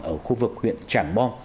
ở khu vực huyện tràng bom